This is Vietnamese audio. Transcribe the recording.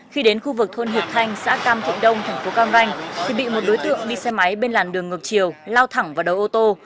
khi đến khu vực thôn hiệp thanh xã cam thịnh đông thành phố cam ranh thì bị một đối tượng đi xe máy bên làn đường ngược chiều lao thẳng vào đầu ô tô